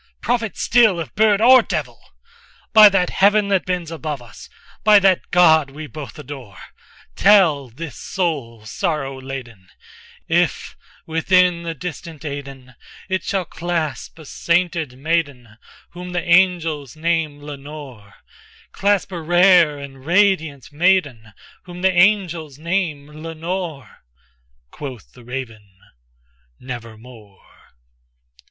prophet still if bird or devil! By that heaven that bends above us—by that God we both adore, Tell this soul sorrow laden, if within the distant Aidenn, It shall clasp a sainted maiden whom the angels name Lenore—Clasp a rare and radiant maiden whom the angels name Lenore.'Quoth the raven 'Nevermore.